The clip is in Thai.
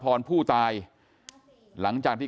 กลุ่มตัวเชียงใหม่